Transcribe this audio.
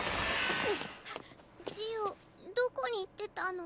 ジオどこに行ってたの？